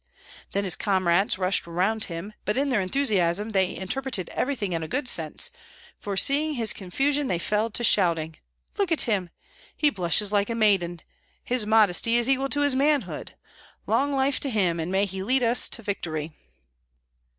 Then his comrades rushed around him; but in their enthusiasm they interpreted everything in a good sense, for seeing his confusion they fell to shouting, "Look at him! he blushes like a maiden! His modesty is equal to his manhood! Long life to him, and may he lead us to victory!"